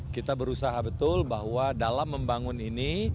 kita berusaha betul bahwa dalam membangun ini